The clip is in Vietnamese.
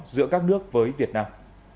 giữa các nước với việt nam